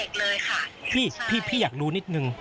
เยลลี่ปกติพี่อยากรู้นิดหนึ่ง